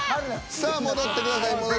さあ戻ってください。